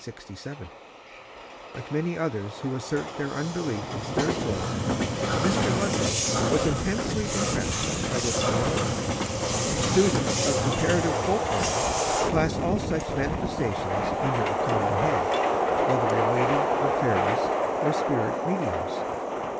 Like many others who assert their unbelief in spiritualism, Mr. Ludlow was intensely impressed by this phenomenon. Students of comparative folk lore class all such manifestations under a common head, whether related of fairies or spirit mediums.